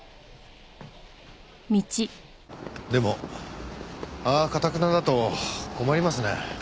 でもああ頑なだと困りますね。